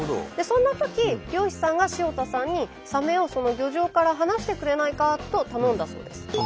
そんなとき漁師さんが塩田さんにサメを漁場から離してくれないかと頼んだそうです。